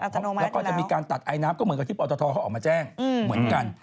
แล้วก็จะมีการตัดไอน้ำก็เหมือนกับที่ปตทเขาออกมาแจ้งเหมือนกัน